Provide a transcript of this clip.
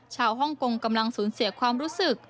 ชาวฮ่องกงคล้องซูนเสียความรู้สึก